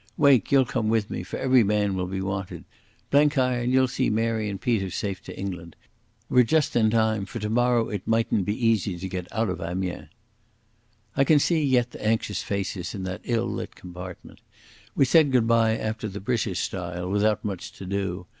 Wake, you'll come with me, for every man will be wanted. Blenkiron, you'll see Mary and Peter safe to England. We're just in time, for tomorrow it mightn't be easy to get out of Amiens." I can see yet the anxious faces in that ill lit compartment. We said goodbye after the British style without much to do.